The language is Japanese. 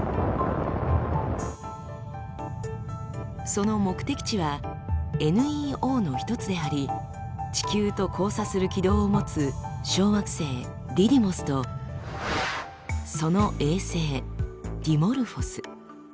その目的地はＮＥＯの一つであり地球と交差する軌道を持つ小惑星ディディモスとその衛星ディモルフォス。